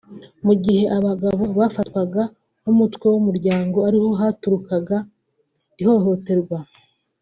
mu gihe abagabo bafatwaga nk’umutwe w’umuryango ariho haturukaga ihohoterwa